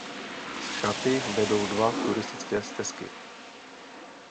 Z chaty vedou dva turistické stezky.